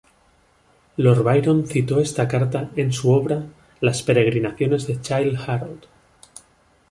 Lord Byron citó esta carta en su obra Las peregrinaciones de Childe Harold.